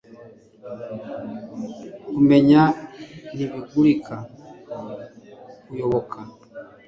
kukumenya ntibigurika, kukuyoboka